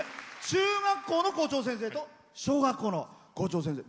中学校の校長先生と小学校の校長先生。